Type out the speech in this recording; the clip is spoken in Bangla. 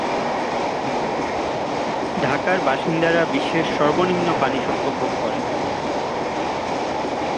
ঢাকার বাসিন্দারা বিশ্বের সর্বনিম্ন পানি শুল্ক ভোগ করে।